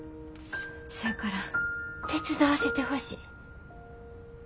せやから手伝わせてほしい。